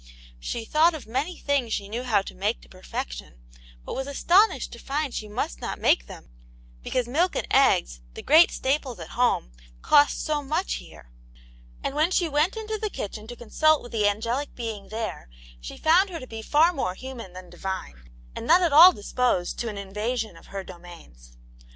She thought of many things she knew how to make to perfection, but was astonished to find she must not make them, because milk and eggs, the great staples at home, cost so much here. And when she went into the kitchen to consult with the angelic being there, she found her to be far more human than divine, and not at all disposed to an invasion of her domains.